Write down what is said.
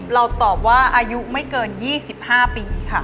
เราตอบว่าอายุไม่เกิน๒๕ปีค่ะ